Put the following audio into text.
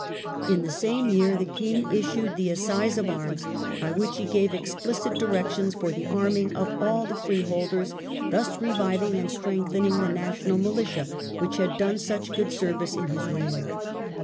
In the same year the king issued the Assize of ArmSy by which he gave explicit directions for the arming of all the freeholders, thus reviving and strengthening the national militia which had done such good service in his reign.